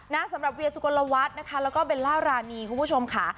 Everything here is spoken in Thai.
สำหรับเวียสุกลวัฒน์นะคะแล้วก็เบลล่ารานีคุณผู้ชมค่ะ